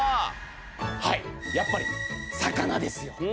はいやっぱり魚ですよ。